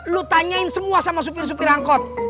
lu tanyain semua sama supir supir angkot